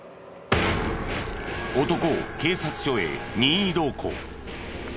男を警察署へ任意同行。